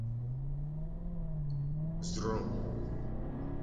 Zro.